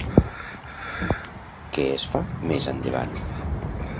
Qué es fa, més endavant?